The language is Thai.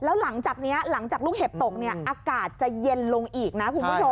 แล้วหลังจากลูกเห็บตกอากาศจะเย็นลงอีกนะครูผู้ชม